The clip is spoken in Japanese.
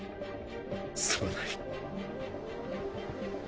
すまない。